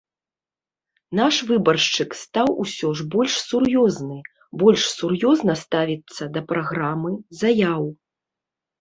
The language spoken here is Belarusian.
Наш выбаршчык стаў усё ж больш сур'ёзны, больш сур'ёзна ставіцца да праграмы, заяў.